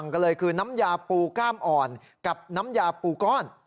กล้ามอ่อนกับน้ำยาปูก้อน